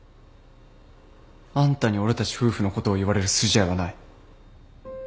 あんたに俺たち夫婦のことを言われる筋合いはない。